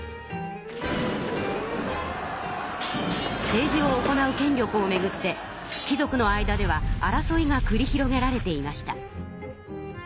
政治を行う権力をめぐって貴族の間では争いがくり広げられていました。